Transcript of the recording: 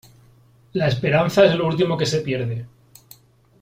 La esperanza es lo último que se pierde.